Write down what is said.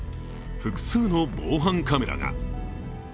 複数の防犯カメラが。